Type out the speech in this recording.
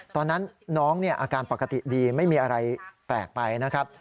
ตอนนั้นน้องอาการปกติดีไม่มีอะไรแปลกไปนะครับ